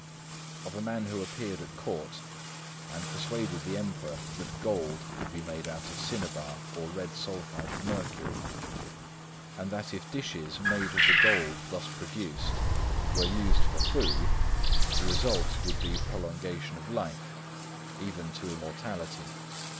C., of a man who appeared at court and persuaded the Emperor that gold could be made out of cinnabar or red sulphide of mercury; and that if dishes made of the gold thus produced were used for food, the result would be prolongation of life, even to immortality.